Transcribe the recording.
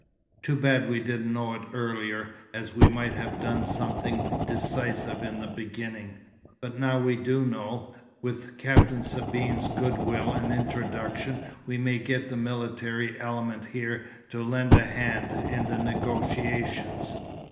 Too bad we didn't know it earlier, as we might have done something decisive in the beginning. But now we do know, with Captain Sabine's good will and introduction we may get the military element here to lend a hand in the negotiations.